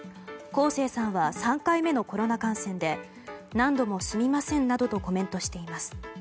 昴生さんは３回目のコロナ感染で何度もすみませんなどとコメントしています。